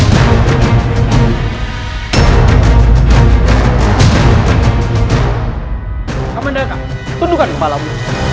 kementerian tundukkan kepalamu